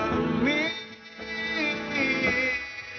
terima kasih ya allah